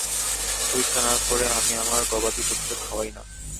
পরীক্ষা না করে আমি আমার গবাদি পশুদের খাওয়াই না।